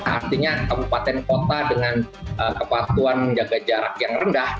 artinya kabupaten kota dengan kepatuhan menjaga jarak yang rendah